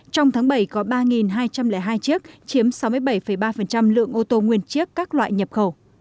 trong tháng bảy có ba hai trăm linh hai chiếc chiếm sáu mươi bảy ba lượng ô tô nguyên chiếc các loại nhập khẩu